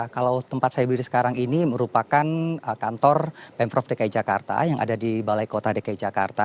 kalau tempat saya berdiri sekarang ini merupakan kantor pemprov dki jakarta yang ada di balai kota dki jakarta